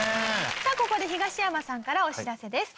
さあここで東山さんからお知らせです。